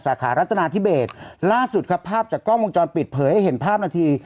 สาขารัฐนาธิเบสล่าสุดครับภาพจากกล้องวงจรปิดเผยให้เห็นภาพนาที